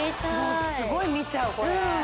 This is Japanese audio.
すごい見ちゃうこれ。